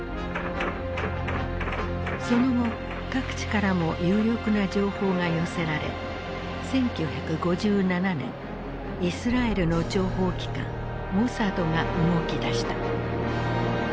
その後各地からも有力な情報が寄せられ１９５７年イスラエルの諜報機関モサドが動きだした。